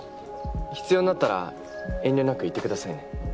必要になったら遠慮なく言ってくださいね。